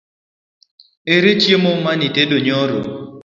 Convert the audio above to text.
Ere chiemo manitedo nyoro?